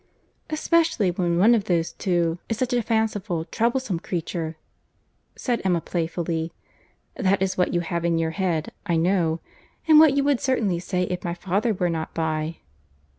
"Especially when one of those two is such a fanciful, troublesome creature!" said Emma playfully. "That is what you have in your head, I know—and what you would certainly say if my father were not by."